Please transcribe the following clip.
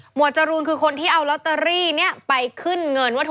จรูนคือคนที่เอาลอตเตอรี่นี้ไปขึ้นเงินวัตถุ